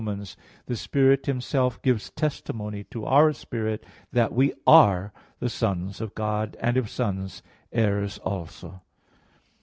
8:16, 17: "The Spirit Himself gives testimony to our spirit that we are the sons of God; and if sons, heirs also."